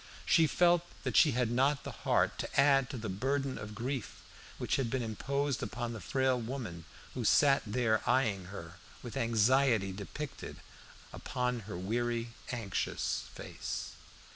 She felt that she had not the heart to add to the burden of grief which had been imposed upon the frail woman who sat there eyeing her with anxiety depicted upon her weary, anxious face.